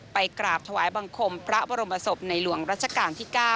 กราบถวายบังคมพระบรมศพในหลวงรัชกาลที่๙